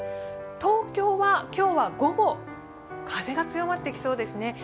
東京は今日は午後、風が強まってきそうですね。